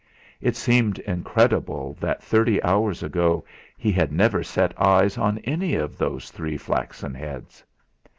It seemed incredible that thirty hours ago he had never set eyes on any of those three flaxen heads.